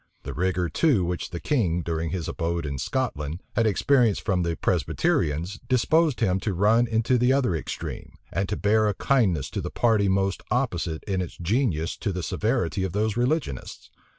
The rigor, too, which the king, during his abode in Scotland, had experienced from the Presbyterians, disposed him to run into the other extreme, and to bear a kindness to the party most opposite in its genius to the severity of those religionists.